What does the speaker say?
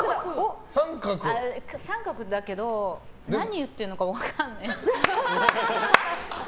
△だけど何言ってるのか分からない。